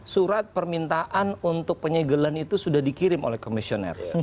surat permintaan untuk penyegelan itu sudah dikirim oleh komisioner